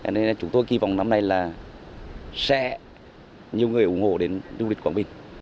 nên chúng tôi kỳ vọng năm nay là sẽ nhiều người ủng hộ đến du lịch quảng bình